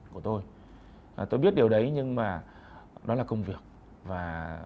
của tôi là tôi biết điều đấy nhưng mà đó là công việc và